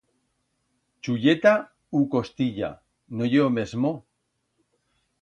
Chulleta u costilla, no ye o mesmo?